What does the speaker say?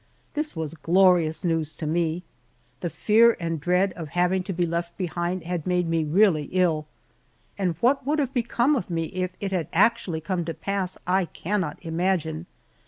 This was glorious news to me. The fear and dread of having to be left behind had made me really ill and what would have become of me if it had actually come to pass I cannot imagine.